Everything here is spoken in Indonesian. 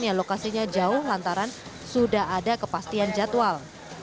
yang lokasinya jauh lantaran sudah ada kepastian jadwal